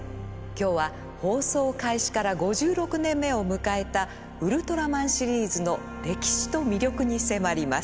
今日は放送開始から５６年目を迎えたウルトラマンシリーズの歴史と魅力に迫ります。